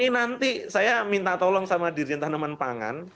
nanti saya minta tolong sama dirjen tanaman pangan